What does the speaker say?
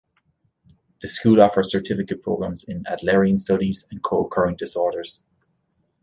The school offers certificate programs in Adlerian Studies, and Co-Occurring Disorders.